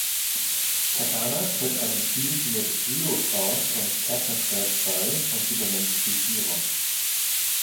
Katana tritt einem Team mit Geo-Force und Technocrat bei und übernimmt die Führung.